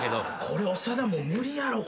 これ長田もう無理やろ。